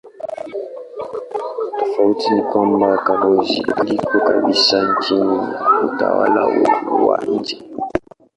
Tofauti ni kwamba koloni liko kabisa chini ya utawala wa nje.